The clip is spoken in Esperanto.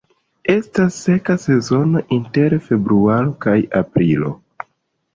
Estas seka sezono inter februaro kaj aprilo.